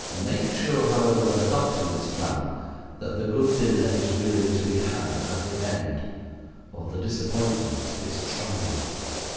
Make sure, however, when adopting this plan, that the good dinner is really to be had at the end, or the disappointment is trying.